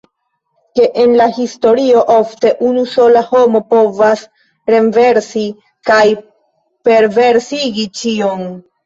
Ke en la historio ofte unu sola homo povas renversi kaj perversigi ĉion.